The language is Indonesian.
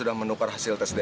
dan semoga dia selalu colok